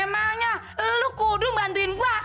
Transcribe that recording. emangnya lu kudu bantuin gua